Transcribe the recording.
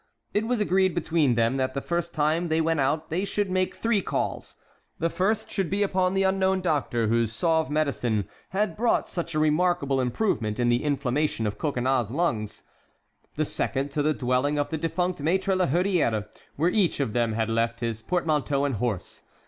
It was agreed between them that the first time they went out they should make three calls: The first should be upon the unknown doctor whose suave medicine had brought such a remarkable improvement in the inflammation of Coconnas's lungs. The second to the dwelling of the defunct Maître La Hurière, where each of them had left his portmanteau and horse.